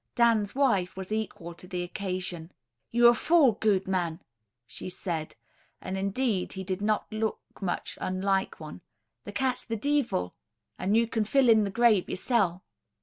Dan's wife was equal to the occasion. "You're a fool, gudeman," she said, and indeed, he did not look much unlike one, "the cat's the deevil, and you can fill in the grave yersel'."